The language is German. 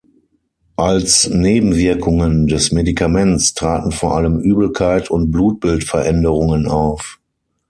Als Nebenwirkungen des Medikaments traten vor allem Übelkeit und Blutbildveränderungen auf.